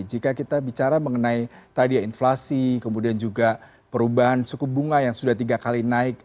jika kita bicara mengenai tadi ya inflasi kemudian juga perubahan suku bunga yang sudah tiga kali naik